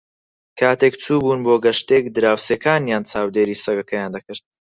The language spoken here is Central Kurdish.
کاتێک چوو بوون بۆ گەشتێک، دراوسێکانیان چاودێریی سەگەکەیان دەکرد.